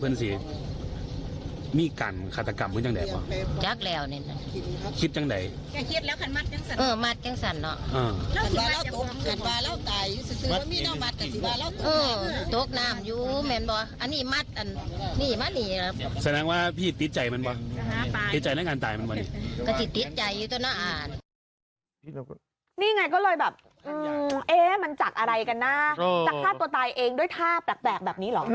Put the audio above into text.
นี่ไงก็เลยแบบมันจากอะไรกันนะจะฆ่าตัวตายเองด้วยท่าแปลกแบบนี้เหรอ